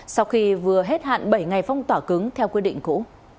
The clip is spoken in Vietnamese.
sau khi vừa hết hạn bảy ngày phong tỏa cứng theo quy định cũ